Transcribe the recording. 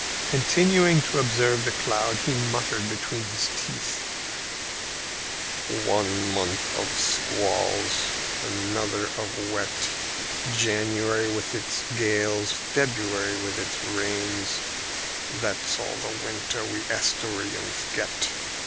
Continuing to observe the cloud, he muttered between his teeth, "One month of squalls, another of wet; January with its gales, February with its rains that's all the winter we Asturians get.